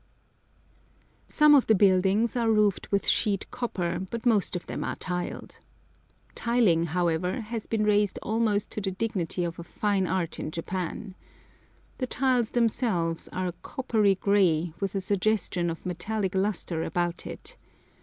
Some of the buildings are roofed with sheet copper, but most of them are tiled. Tiling, however, has been raised almost to the dignity of a fine art in Japan. The tiles themselves are a coppery grey, with a suggestion of metallic lustre about it.